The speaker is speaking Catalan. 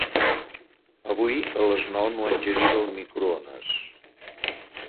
Avui a les nou no engeguis el microones.